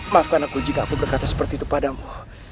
maafkan aku jika aku berkata seperti itu padamu